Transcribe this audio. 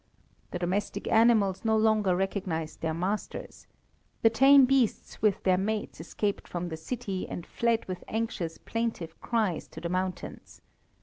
The domestic animals no longer recognized their masters. The tame beasts with their mates escaped from the city, and fled with anxious, plaintive cries to the mountains.